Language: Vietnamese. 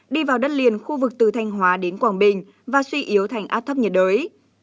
đi vào đất liền khu vực từ thanh hóa đến quảng bình và suy yếu thành áp thấp nhiệt đới